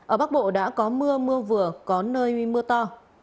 ở bắc bộ đã có mưa mưa vừa có nơi mưa to